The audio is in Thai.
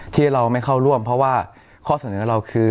ที่เราไม่เข้าร่วมเพราะว่าข้อเสนอเราคือ